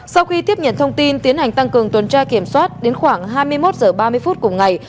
sau khi tiếp nhận thông tin tiến hành tăng cường tuần tra kiểm soát đến khoảng hai mươi một h ba mươi phút cùng ngày